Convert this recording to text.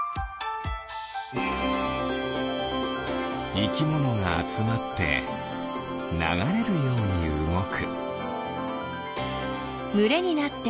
いきものがあつまってながれるようにうごく。